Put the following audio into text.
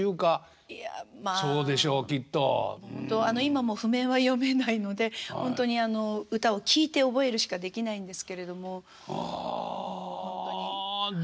今も譜面は読めないのでほんとに歌を聴いて覚えるしかできないんですけれどももうほんとに。